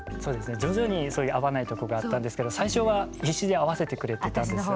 徐々にそういう合わないとこがあったんですけど最初は必死に合わせてくれてたんですよ。